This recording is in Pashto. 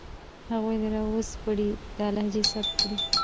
هغوی را وسپړئ، دا لهجې ثبت کړئ